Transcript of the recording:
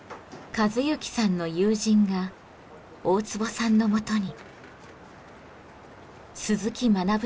一幸さんの友人が大坪さんのもとに。